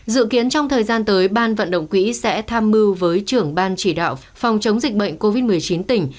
dự kiến trong thời gian tới ban vận động quỹ sẽ tham mưu với trưởng ban chỉ đạo phòng chống dịch bệnh covid một mươi chín tỉnh